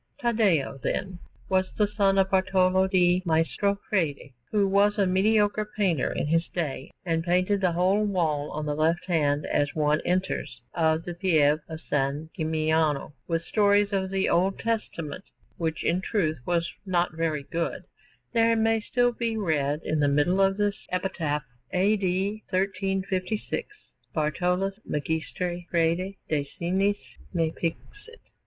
Taddeo, then, was the son of Bartolo di Maestro Fredi, who was a mediocre painter in his day and painted the whole wall (on the left hand as one enters) of the Pieve of San Gimignano with stories of the Old Testament; in which work, which in truth was not very good, there may still be read in the middle this epitaph: A.D. 1356, BARTOLUS MAGISTRI FREDI DE SENIS ME PINXIT.